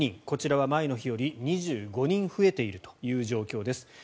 こちらは前の日より２５人増えているという状況です。